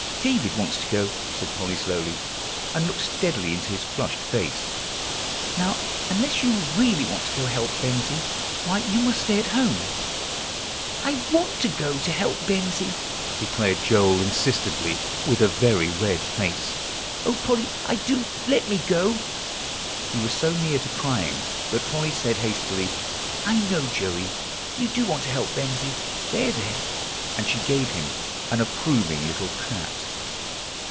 "David wants to go," said Polly slowly, and looking steadily into his flushed face. "Now, unless you really want to go to help Bensie, why you must stay at home." "I want to go to help Bensie," declared Joel insistently, with a very red face. "O Polly! I do. Let me go." He was so near to crying that Polly said hastily, "I know, Joey, you do want to help Bensie; there, there," and she gave him an approving little pat.